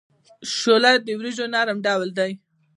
شوله د وریجو نرم ډول دی.